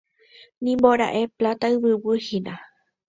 Nimbora'e Pláta Yvyguy hína.